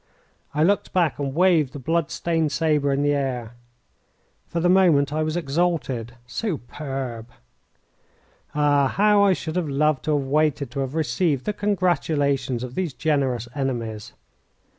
I looked back and waved the blood stained sabre in the air. For the moment I was exalted superb! Ah! how I should have loved to have waited to have received the congratulations of these generous enemies.